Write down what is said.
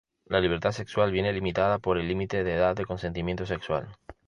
La libertad sexual viene limitada por el límite de edad de consentimiento sexual.